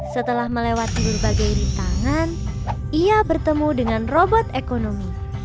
setelah melewati berbagai rintangan ia bertemu dengan robot ekonomi